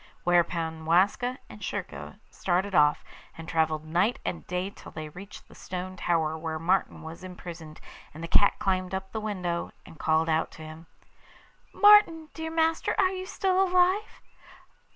Thereupon Waska and Schurka started off, and travelled night and day till they reached the stone tower where Martin was imprisoned; and the cat climbed up the window, and called out to him: 'Martin, dear master, are you still alive?